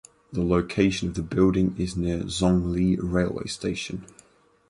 The location of the building is near Zhongli railway station.